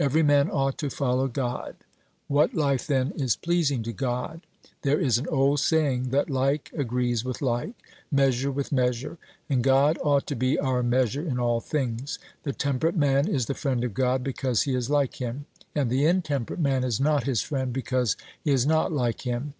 'Every man ought to follow God.' What life, then, is pleasing to God? There is an old saying that 'like agrees with like, measure with measure,' and God ought to be our measure in all things. The temperate man is the friend of God because he is like Him, and the intemperate man is not His friend, because he is not like Him.